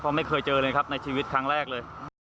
เพราะไม่เคยเจอเลยครับในชีวิตครั้งแรกเลย